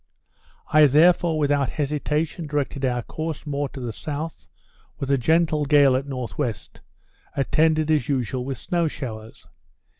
I therefore without hesitation directed our course more to the south, with a gentle gale at N.W., attended, as usual, with snow showers.